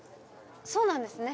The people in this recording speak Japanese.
そうなんですね。